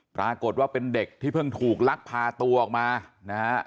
ปรากฏว่าเป็นเด็กที่เพิ่งถูกลักพาตัวออกมานะฮะ